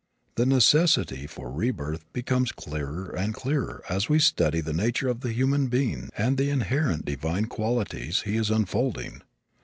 The necessity for rebirth becomes clearer and clearer as we study the nature of the human being and the inherent divine qualities he is unfolding.